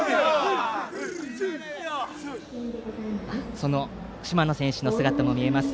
その島野選手の姿も見えます。